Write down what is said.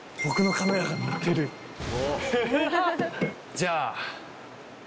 じゃあ。